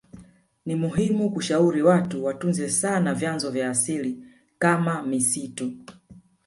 Nimuhimu kushauri watu watunze sana vyanzo vya asili kama misitu